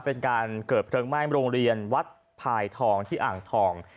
เป็นการเกิดเพลิงไหม้โรงเรียนวัดพายทองที่อ่างทอง